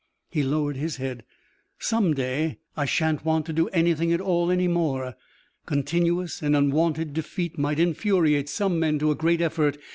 He lowered his head. "Some day I shan't want to do anything at all any more. Continuous and unwonted defeat might infuriate some men to a great effort.